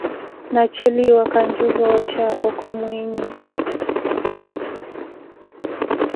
Na cheliwa, kanjo za oocha okho mwiinyi.